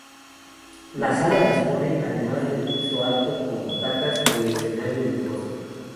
La sala dispone, además del piso alto con butacas, de escenario y foso.